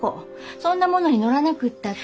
そんなものに乗らなくったって。